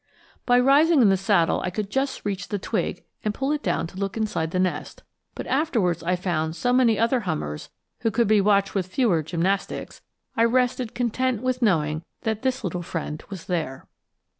By rising in the saddle I could just reach the twig and pull it down to look inside the nest; but afterwards I found so many other hummers who could be watched with fewer gymnastics, I rested content with knowing that this little friend was there.